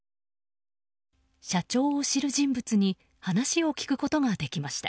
社長を知る人物に話を聞くことができました。